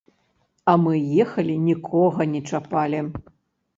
А мы ехалі, нікога не чапалі.